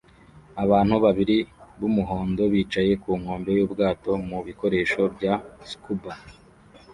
Abantu babiri b'umuhondo bicaye ku nkombe y'ubwato mu bikoresho bya scuba